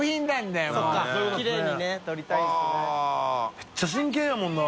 めっちゃ真剣やもんな。